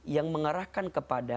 yang mengarahkan kepadamu